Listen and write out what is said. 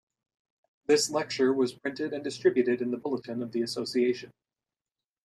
This lecture was printed and distributed in the bulletin of the association.